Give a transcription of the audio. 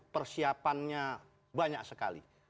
persiapannya banyak sekali